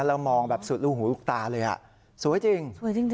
แล้วมองแบบสุดลูกตาเลยอะสวยจริง